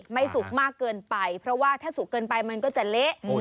สุกมากเกินไปเพราะว่าถ้าสุกเกินไปมันก็จะเละ